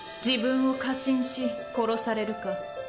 自分を過信し殺されるか。